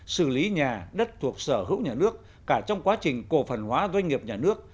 xử lý nhà đất thuộc sở hữu nhà nước cả trong quá trình cổ phần hóa doanh nghiệp nhà nước